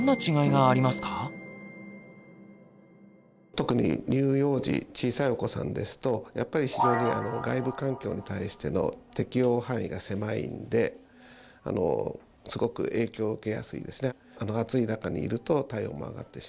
特に乳幼児小さいお子さんですとやっぱり非常に外部環境に対しての適応範囲が狭いんですごく影響を受けやすいんですね。